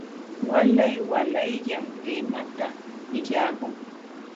Waalay waalayllam limata illakun.